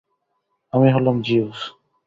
আমি হলাম জিউস!